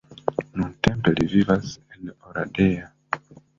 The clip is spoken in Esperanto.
Nuntempe li vivas en Oradea.